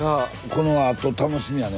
このあと楽しみやね。